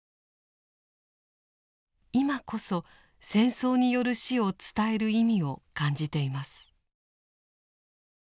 今こそ戦争による死を伝える意味を感じています。